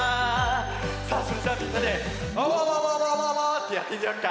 さあそれじゃあみんなで「あわわわわわわ」ってやってみようか。